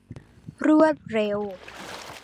รวดเร็ว